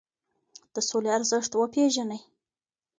د سولي ارزښت وپیرژنئ.